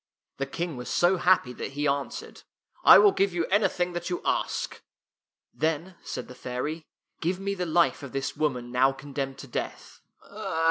The King was so happy that he answered, " I will give you anything that you ask." " Then," said the fairy, " give me the life of this woman now condemned to death."